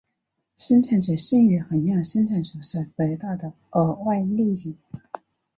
生产者剩余衡量生产者所得到的额外利益。